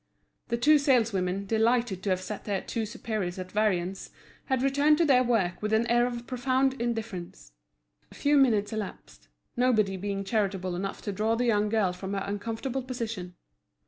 The two saleswomen, delighted to have set their two superiors at variance, had returned to their work with an air of profound indifference. A few minutes elapsed, nobody being charitable enough to draw the young girl from her uncomfortable position.